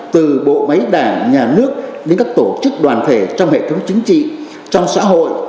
từ bộ máy đảng nhà nước đến các tổ chức đoàn thể trong hệ thống chính trị trong xã hội